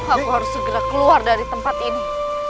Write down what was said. aku harus segera keluar dari tempat ini